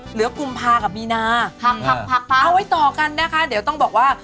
เหลือกุมภากับมีนาเอาไว้ต่อกันนะคะเดี๋ยวต้องบอกว่า